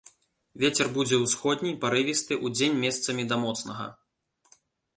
Вецер будзе ўсходні, парывісты, удзень месцамі да моцнага.